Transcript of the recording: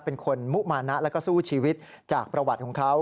เป็นคนมุมานะแล้วก็สู้ชีวิตจากประวัติของเขา